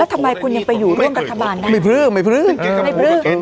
ทำไมคุณยังไปอยู่ร่วมรัฐบาลได้ไม่พลื้มไม่พ้นไม่พลึก